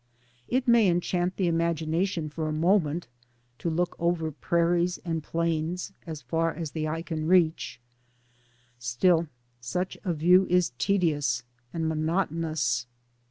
It may enchant the imagination for a mo ment to look over prairies and plains as far as the eye can reach, still such a view is tedious and monotonous.